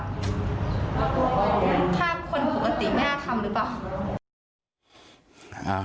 ถ้าคนปกติไม่อาคัมหรือเปล่า